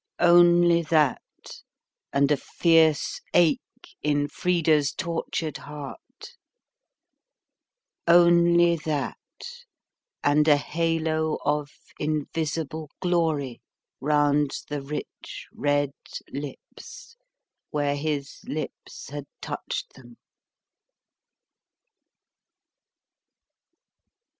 Only that, and a fierce ache in Frida's tortured heart; only that, and a halo of invisible glory round the rich red lips, where his lips had touched them.